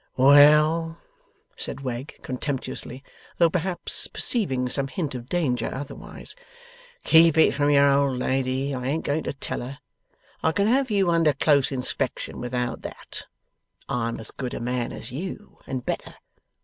'Well,' said Wegg, contemptuously, though, perhaps, perceiving some hint of danger otherwise, 'keep it from your old lady. I ain't going to tell her. I can have you under close inspection without that. I'm as good a man as you, and better.